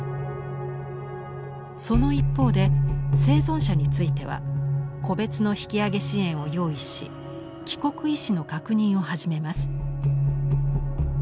その一方で生存者については個別の引き揚げ支援を用意し帰国意思の確認を始めます。